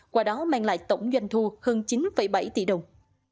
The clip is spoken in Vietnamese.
qua đó mang lại tổng doanh thu hơn chín bảy tỷ đồng